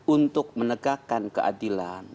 untuk menegakkan keadilan